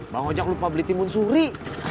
bang ojek lupa beli timun suri